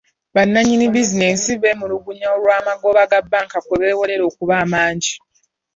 Ba nnanyini bizinesi bemulugunya olw'amagoba ga bank kwe beewolera okuba amangi.